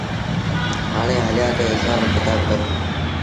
هآڻي هليآ تا هسآب ڪتآب ڪرون